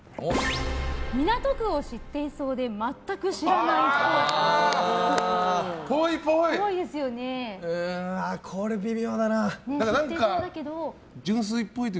港区を知っていそうで全く知らないっぽい。